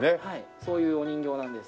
そういうお人形なんです。